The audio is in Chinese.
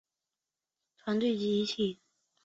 居士林是佛教居士从事宗教活动的团体。